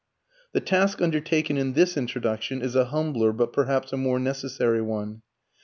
The task undertaken in this Introduction is a humbler but perhaps a more necessary one.